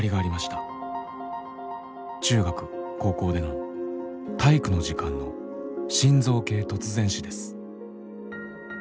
中学・高校での「体育」の時間の「心臓系突然死」です。